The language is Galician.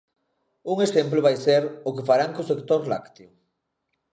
Un exemplo vai ser o que farán co sector lácteo.